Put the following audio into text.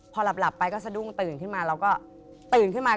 พอหลับไปก็สะดุ้งตื่นขึ้นมา